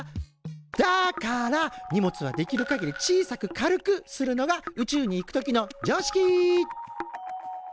だから荷物はできるかぎり小さく軽くするのが宇宙に行く時の常識。